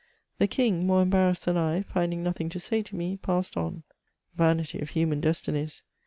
The king, more embarrassed than I, finding nothing to say to me, passed on. Vanity of human destinies